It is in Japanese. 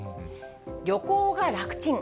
旅行が楽ちん？